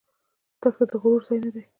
دښته د غرور ځای نه دی.